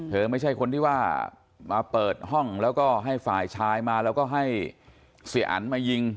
ไม่ใช่คนที่ว่ามาเปิดห้องแล้วก็ให้ฝ่ายชายมาแล้วก็ให้เสียอันมายิง